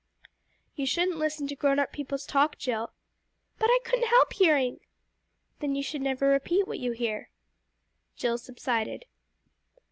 "You shouldn't listen to grown up people's talk, Jill." "But I couldn't help hearing." "Then you should never repeat what you hear." Jill subsided.